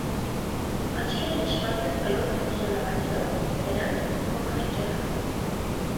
Աչքերը նշված են կլոր փոսորակներով, բերանը՝ փոքր ճեղքով։